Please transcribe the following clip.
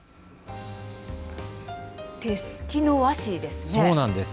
手すきの和紙ですね。